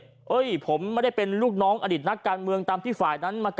เฮ้ยผมไม่ได้เป็นลูกน้องอดิตนักการเมืองตามที่ฝ่ายนั้นมา